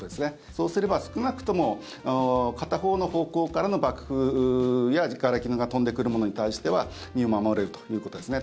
そうすれば、少なくとも片方の方向からの爆風やがれきが飛んでくるものに対しては身を守れるということですね。